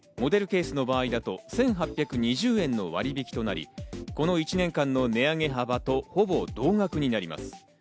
モデルケースの場合だと１８２０円の割引となり、この１年間の値上げ幅とほぼ同額になります。